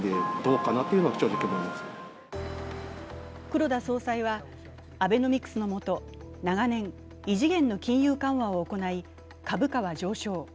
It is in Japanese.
黒田総裁はアベノミクスのもと長年、異次元の金融緩和を行い株価は上昇。